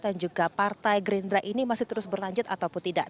dan juga partai gerindra ini masih terus berlanjut ataupun tidak